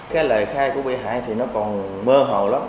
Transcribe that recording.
cái lời khai của bị hại thì nó còn mơ hồ lắm